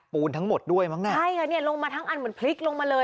ทั้งหมดด้วยมั้งน่ะใช่ค่ะเนี่ยลงมาทั้งอันเหมือนพลิกลงมาเลย